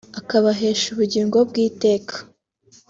akabahesha ubugingo bw’iteka’’